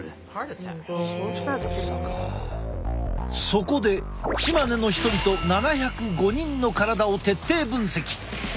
そこでチマネの人々７０５人の体を徹底分析。